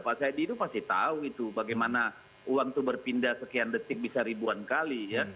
pak saidi itu pasti tahu itu bagaimana uang itu berpindah sekian detik bisa ribuan kali ya